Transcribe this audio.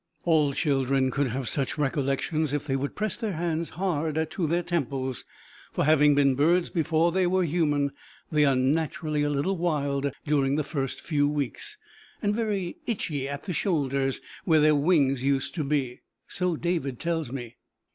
All children could have such recollections if they would press their hands hard to their temples, for, having been birds before they were human, they are naturally a little wild during the first few weeks, and very itchy at the shoulders, where their wings used to be. So David tells me.